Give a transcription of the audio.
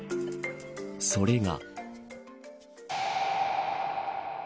それが。